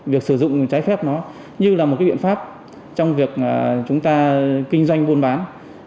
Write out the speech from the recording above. việc sử dụng trái phép nó như là một cái biện pháp trong việc chúng ta kinh doanh buôn bán